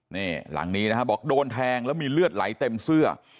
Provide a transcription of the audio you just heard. นี่หลังนี้นะฮะบอกโดนแทงแล้วมีเลือดไหลเต็มเสื้อ